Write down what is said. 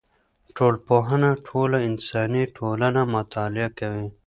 ټولنپوهنه ټوله انساني ټولنه مطالعه کوي.